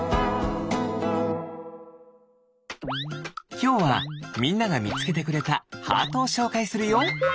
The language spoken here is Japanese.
きょうはみんながみつけてくれたハートをしょうかいするよ。